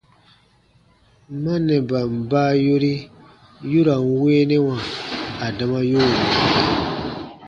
Mannɛban baa yori yu ra n weenɛwa adama yu wunanɛ.